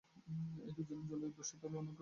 এই দুইজন জলদস্যুতার অনেক ঘটনায় জড়িত।